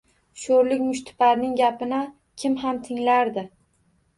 Sho`rlik mushtiparning gapini kim ham tinglardi